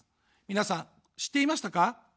皆さん、知っていましたか。